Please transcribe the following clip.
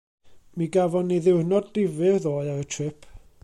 Mi gafon ni ddiwrnod difyr ddoe ar y trip.